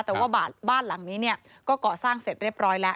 แต่ว่าบ้านหลังนี้เนี่ยก็ก่อสร้างเสร็จเรียบร้อยแล้ว